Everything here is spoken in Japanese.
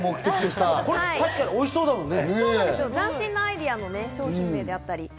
確かにおいしそうだもんね。